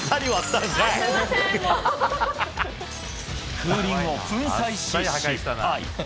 風鈴を粉砕し、失敗。